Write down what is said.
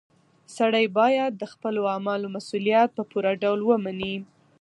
سړی باید د خپلو اعمالو مسؤلیت په پوره ډول ومني.